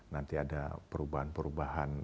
nanti ada perubahan perubahan